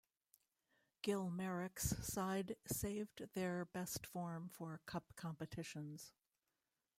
Gil Merrick's side saved their best form for cup competitions.